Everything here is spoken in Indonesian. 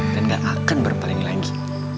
dan nggak akan berpaling lagi